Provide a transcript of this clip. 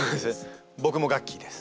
僕もガッキーです。